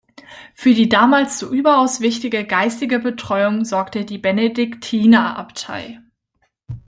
Für die damals so überaus wichtige geistige Betreuung sorgte die Benediktinerabtei.